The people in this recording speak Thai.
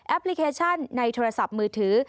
พลิเคชันในโทรศัพท์มือถือ